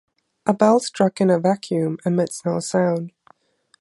A bell struck in a vacuum emits no sound.